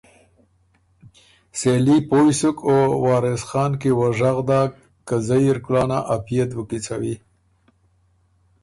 "سېلي پویٛ سُک او وارث خان کی وه ژغ داک که ""زئ اِر کلانا ا پئے ت بُو کیڅَوی"""